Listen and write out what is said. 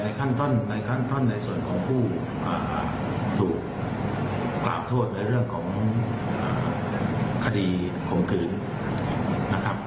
ในขั้นในส่วนของผู้ถูกกล่าวโทษในเรื่องของคดีข่มขืนนะครับ